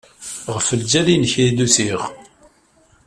Ɣef lǧal-nnek ay d-usiɣ.